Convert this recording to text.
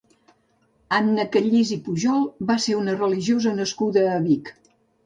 Anna Callís i Pujol va ser una religiosa nascuda a Vic.